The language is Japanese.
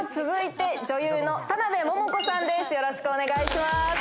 続いて女優の田辺桃子さんです。